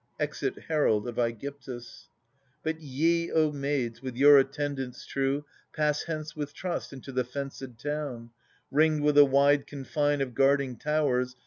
* \Exit Herald ^^gyptus. But ye, O maids, with your attendants true. Pass hence with trust into the fenced town, Ringed with a wide confine of guarding towers.